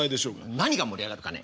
何が盛り上がるかね？